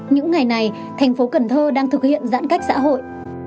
những ngày này thành phố cần thơ đang thực hiện giãn cách xã hội